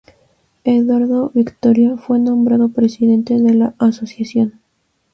Eduardo Vitoria fue nombrado presidente de la Asociación.